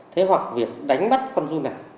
thế hoặc việc đánh bắt con run này